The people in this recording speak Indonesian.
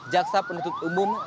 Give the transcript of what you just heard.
jaksa penuntut umum